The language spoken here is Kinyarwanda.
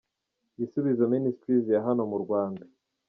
Gisubizo Ministries ya hano mu Rwanda.